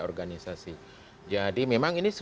organisasi jadi memang ini